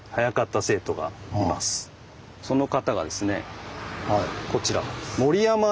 その方がですねこちらです。